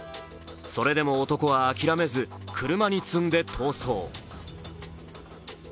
それでも男は諦めず車に積んで逃走。